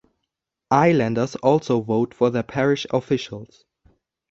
Islanders also vote for their Parish officials.